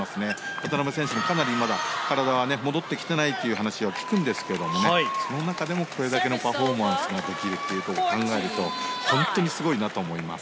渡辺選手もかなりまだ体は戻ってきていないという話を聞くんですけれどもその中でもこれだけのパフォーマンスができるって考えると本当にすごいなと思います。